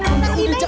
tuhan iya renyah